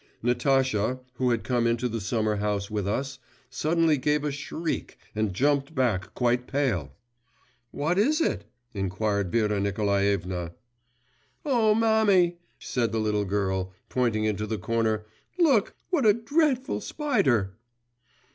Natasha, who had come into the summer house with us, suddenly gave a shriek and jumped back, quite pale. 'What is it?' inquired Vera Nikolaevna. 'O mammy,' said the little girl, pointing into the corner, 'look, what a dreadful spider!